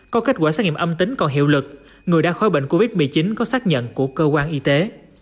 có kết quả xét nghiệm âm tính còn hiệu lực người đã khỏi bệnh covid một mươi chín có xác nhận của cơ quan y tế